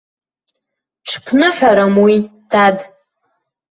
Ҽԥныҳәарам уи, дад.